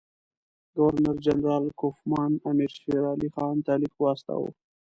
ګورنر جنرال کوفمان امیر شېرعلي خان ته لیک واستاوه.